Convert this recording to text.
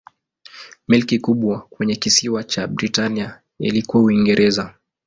Milki kubwa kwenye kisiwa cha Britania ilikuwa Uingereza.